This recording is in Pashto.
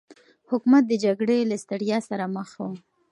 حکومت د جګړې له ستړيا سره مخ و.